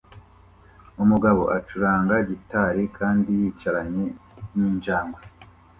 Umugabo acuranga gitari kandi yicaranye ninjangwe